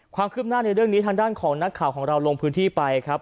ความคืบหน้าในเรื่องนี้ทางด้านของนักข่าวของเราลงพื้นที่ไปครับ